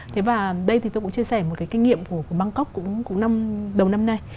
thế và đây thì tôi cũng chia sẻ một cái kinh nghiệm của bangkok cũng đầu năm nay